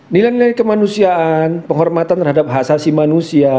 nilai nilai kemanusiaan penghormatan terhadap hak asasi manusia